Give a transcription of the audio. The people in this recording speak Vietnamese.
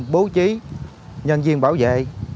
bố trí nhân viên bảo vệ